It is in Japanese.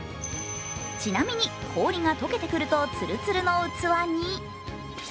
ちなみに、氷が解けてくるとツルツルの器に。